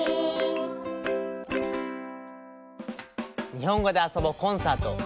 「にほんごであそぼコンサートｉｎ鹿児島」